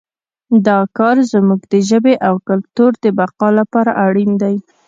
دا کار زموږ د ژبې او کلتور د بقا لپاره اړین دی